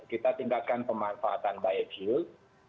kita tingkatkan pemanfaatan biofuel